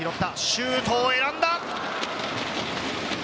シュート選んだ。